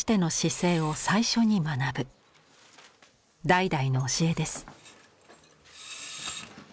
代々の教えです。